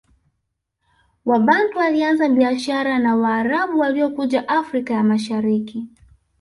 Wabantu walianza biashara na Waarabu waliokuja Afrika ya Mashariki